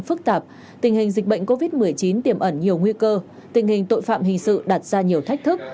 phức tạp tình hình dịch bệnh covid một mươi chín tiềm ẩn nhiều nguy cơ tình hình tội phạm hình sự đặt ra nhiều thách thức